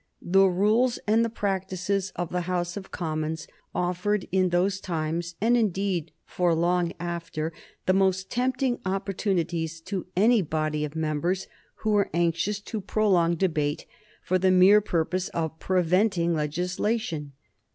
The rules and the practices of the House of Commons offered in those times, and, indeed, for long after, the most tempting opportunities to any body of members who were anxious to prolong debate for the mere purpose of preventing legislation.